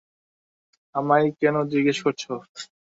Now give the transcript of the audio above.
আমায় কেনো জিজ্ঞেস করছো?